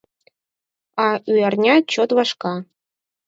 А Ӱярня чот вашка